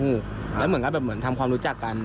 และเหมือนทำความรู้จักกัน